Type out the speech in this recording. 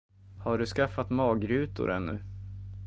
Har du skaffat magrutor ännu?